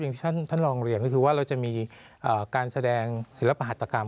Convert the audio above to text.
อย่างที่ท่านลองเรียนก็คือว่าเราจะมีการแสดงศิลปหัตกรรม